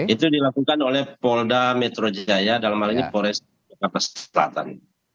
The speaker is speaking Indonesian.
itu dilakukan oleh polda metro jaya dalam hal ini polres jakarta selatan